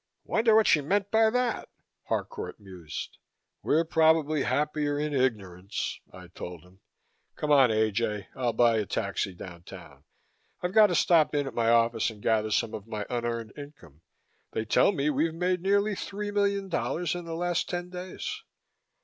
"Wonder what she meant by that?" Harcourt mused. "We're probably happier in ignorance," I told him. "Come on, A. J., I'll buy a taxi down town. I've got to stop in at my office and gather some of my unearned income. They tell me we've made nearly three million dollars in the last ten days."